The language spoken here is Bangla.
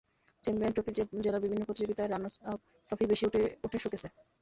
চ্যাম্পিয়ন ট্রফির চেয়ে জেলার বিভিন্ন প্রতিযোগিতায় রানার্সআপ ট্রফিই বেশি ওঠে শোকেসে।